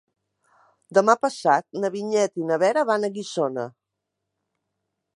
Demà passat na Vinyet i na Vera van a Guissona.